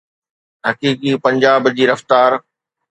حقيقي پنجاب جي رفتار.